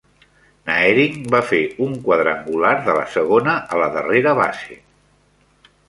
Naehring va fer un quadrangular de la segona a la darrera base.